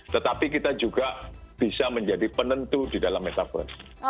tetapi kita juga bisa menjadi penentu di dalam metaverse